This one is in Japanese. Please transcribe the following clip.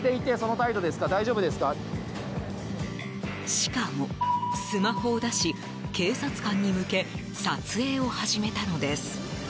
しかも、スマホを出し警察官に向け撮影を始めたのです。